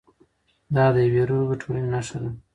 دا د یوې روغې ټولنې نښه ده.